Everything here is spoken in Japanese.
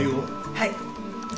はい。